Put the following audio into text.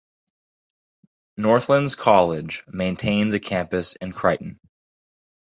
Northlands College maintains a campus in Creighton.